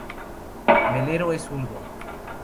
Melero es zurdo.